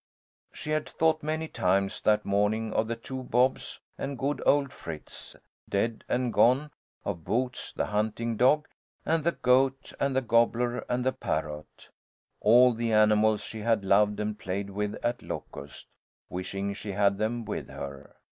She had thought many times that morning of the two Bobs, and good old Fritz, dead and gone, of Boots, the hunting dog, and the goat and the gobbler and the parrot, all the animals she had loved and played with at Locust, wishing she had them with her.